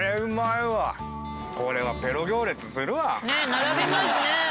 並びますね。